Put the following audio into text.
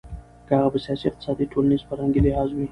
که هغه په سياسي، اقتصادي ،ټولنيز، فرهنګي لحاظ وي .